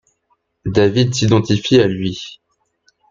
David s'identifie à lui.